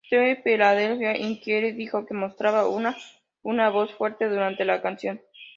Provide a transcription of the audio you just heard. The Philadelphia Inquirer dijo que demostraba una "una voz fuerte" durante la canción.